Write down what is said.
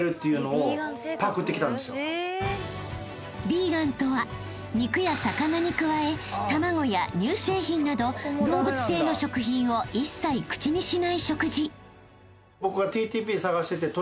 ［ヴィーガンとは肉や魚に加え卵や乳製品など動物性の食品を一切口にしない食事］